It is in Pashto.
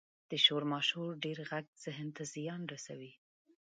• د شور ماشور ډېر ږغ ذهن ته زیان رسوي.